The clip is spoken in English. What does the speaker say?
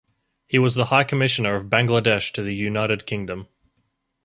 He was the High Commissioner of Bangladesh to the United Kingdom.